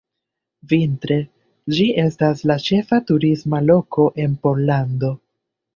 Vintre, ĝi estas la ĉefa turisma loko en Pollando.